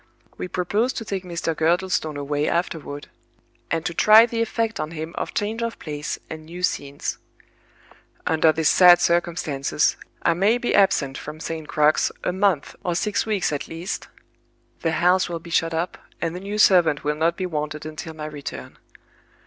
We propose to take Mr. Girdlestone away afterward, and to try the effect on him of change of place and new scenes. Under these sad circumstances, I may be absent from St. Crux a month or six weeks at least; the house will be shut up, and the new servant will not be wanted until my return.